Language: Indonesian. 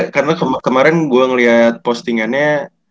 karena kemarin gue ngeliat postingannya